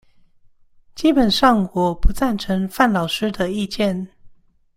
基本上我不贊成范老師的意見